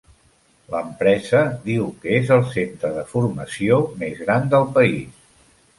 L'empresa diu que és el centre de formació més gran del país.